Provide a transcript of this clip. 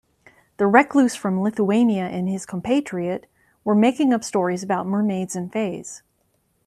The recluse from Lithuania and his compatriot were making up stories about mermaids and fays.